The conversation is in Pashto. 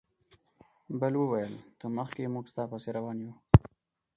بل وویل ته مخکې موږ ستا پسې روان یو.